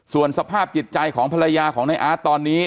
ส่วนสภาพจิตใจของภรรยาของในอาร์ตตอนนี้